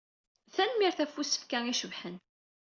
Tanemmirt ɣef usefk-a icebḥen.